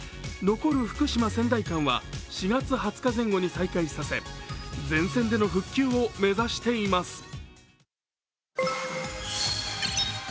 残る福島−仙台間は４月２０日前後に再開させ全線での復旧を目指しています。